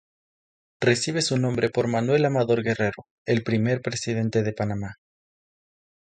Recibe su nombre por Manuel Amador Guerrero, el primer presidente de Panamá.